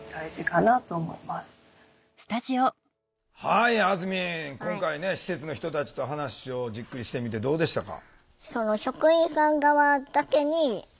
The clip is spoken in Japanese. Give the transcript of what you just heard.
はいあずみん今回ね施設の人たちと話をじっくりしてみてどうでしたか？